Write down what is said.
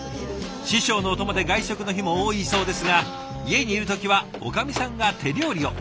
師匠のお供で外食の日も多いそうですが家にいる時はおかみさんが手料理を。